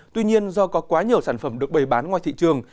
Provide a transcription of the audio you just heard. tuy nhiên do có quá nhiều sản phẩm được bày bán ngoài thị trường